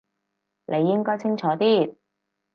你應該清楚啲